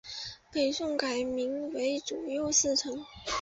北宋改名为左右司谏。